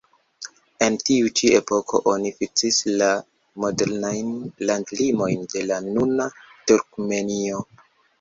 En tiu ĉi epoko oni fiksis la modernajn landlimojn de la nuna Turkmenio.